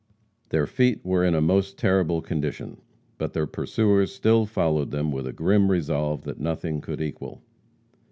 Their feet were in a most terrible condition. But their pursuers still followed them with a grim resolve that nothing could equal.